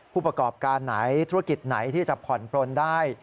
ผู้ประกอบการไหนธุรกิจไหนที่จะผ่อนปลนได้